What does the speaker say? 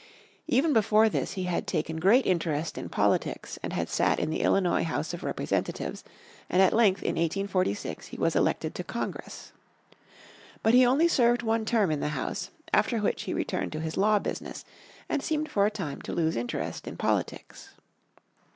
Even before this he had taken great interest in politics and had sat in the Illinois House of Representatives, and at length in 1846 he was elected to Congress. But he only served one term in the House, after which he returned to his law business and seemed for a time to lose interest in politics.